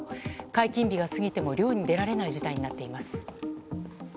解禁日が過ぎても漁に出られない事態になっています。